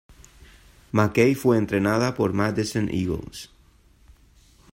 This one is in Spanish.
McKay fue entrenada por Madison Eagles.